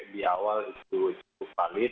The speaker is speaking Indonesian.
di awal itu cukup valid